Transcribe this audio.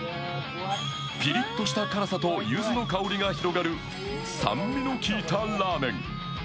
ピリッとした辛さと柚子の香りが広がる、酸味のきいたラーメン。